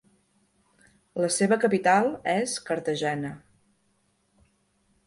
La seva capital és Cartagena.